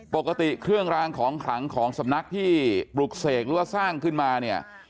ปกติเครื่องรางของขลังของสำนักที่ปลุกเสกหรือว่าสร้างขึ้นมาเนี่ย